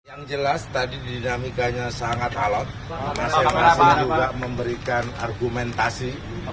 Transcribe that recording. yang jelas tadi dinamikanya sangat alot masing masing juga memberikan argumentasi